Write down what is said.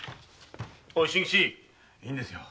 おい真吉いいんですよ。